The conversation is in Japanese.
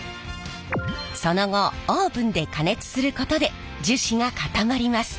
その後オーブンで加熱することで樹脂が固まります。